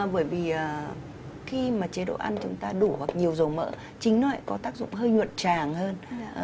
bởi vì khi mà chế độ ăn chúng ta đủ hoặc nhiều dầu mỡ chính nó lại có tác dụng hơi nhuận tràng hơn